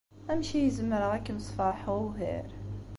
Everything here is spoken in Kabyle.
Amek ay zemreɣ ad kem-sfeṛḥeɣ ugar?